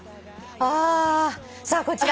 あさあこちら。